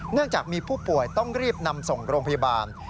จากมีผู้ป่วยต้องรีบนำส่งโรงพยาบาล